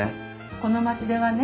この町ではね